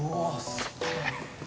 すげえ